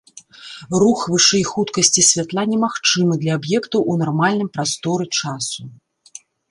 Рух вышэй хуткасці святла немагчымы для аб'ектаў у нармальным прасторы-часу.